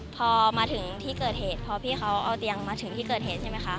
พอพี่เขาเอาเตียงมาถึงที่เกิดเหตุ